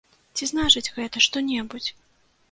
Ці значыць гэта што-небудзь?